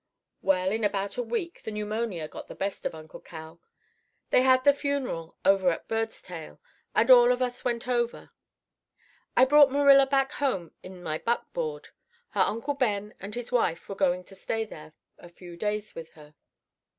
"Well, in about a week the pneumonia got the best of Uncle Cal. They had the funeral over at Birdstail, and all of us went over. I brought Marilla back home in my buckboard. Her uncle Ben and his wife were going to stay there a few days with her.